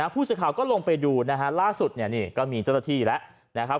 ผู้สิทธิ์ข่าวก็ลงไปดูล่าสุดก็มีเจ้าตะที่แล้ว